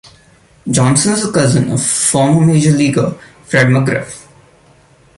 Johnson is a cousin of former Major Leaguer Fred McGriff.